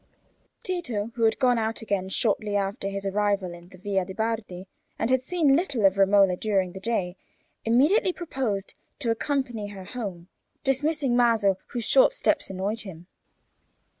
Tito, who had gone out again shortly after his arrival in the Via de' Bardi, and had seen little of Romola during the day, immediately proposed to accompany her home, dismissing Maso, whose short steps annoyed him.